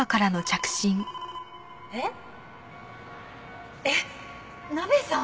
えっ？えっナベさん？